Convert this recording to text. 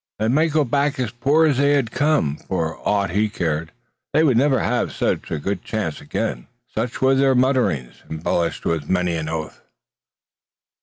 They might go back as poor as they had come, for aught he cared. They would never have so good a chance again." Such were their mutterings, embellished with many an oath.